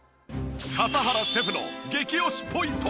笠原シェフの激推しポイント